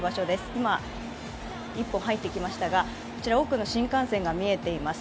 今、１本入ってきましたがこちらは多くの新幹線が見えています。